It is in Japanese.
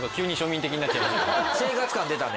生活感出たね